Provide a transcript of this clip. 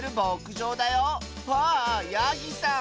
わあヤギさん！